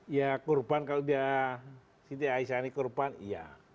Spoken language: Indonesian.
ya kurban kalau dia siti aisyah ini kurban iya